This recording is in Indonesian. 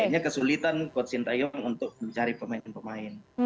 akhirnya kesulitan god sin tayong untuk mencari pemain pemain